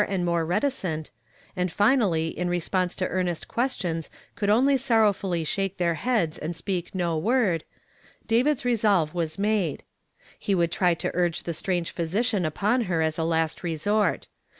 '* 151 ' ■1 and more reticent, and liiiiilly in ivsponse to car nest questions could only soiTowfnlly sluike tlieir head.s and speak no woid, David's resolve waa made, lie would try to urge the strange physi cian upon lier as a last nsort.